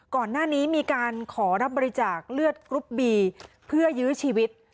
ก่อนหน้านี้มีการขอรับบริจาคเลือดกรุ๊ปบีเพื่อยื้อชีวิต